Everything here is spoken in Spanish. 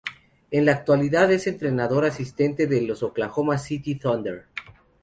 En la actualidad es entrenador asistente de los Oklahoma City Thunder.